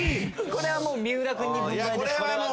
これは三浦君に軍配です。